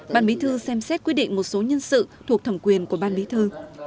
ban bí thư xem xét quyết định một số nhân sự thuộc thẩm quyền của ban bí thư